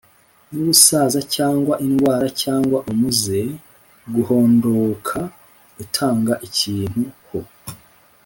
n’ubusaza cyangwa indwara cyangwa umuze; guhoondooka gutanga ikintu ho